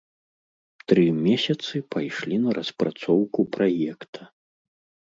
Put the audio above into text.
Тры месяцы пайшлі на распрацоўку праекта.